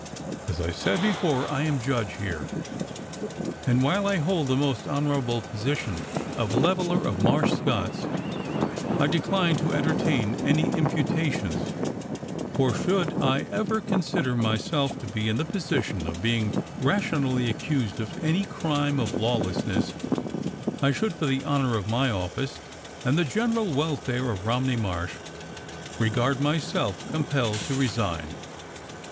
As I said before, I am judge here, and while I hold the most honourable position of 'Leveller of Marsh Scotts,' I decline to entertain any imputations, for should I ever consider myself to be in the position of being rationally accused of any crime of lawlessness, I should, for the honour of my office and the general welfare of Romney Marsh, regard myself compelled to resign.